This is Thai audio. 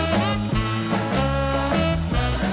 รับทราบ